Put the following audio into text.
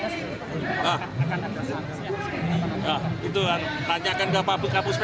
terkait dengan pencana untuk gatot akan ada seharusnya